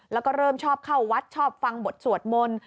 แล้วก็เริ่มชอบเข้าวัดชอบฟังบทสวดมนต์